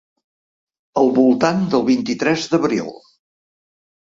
Al voltant del vint-i-tres d’abril.